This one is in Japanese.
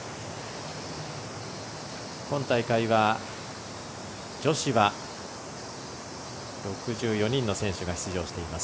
今大会は、女子は６４人の選手が出場しています。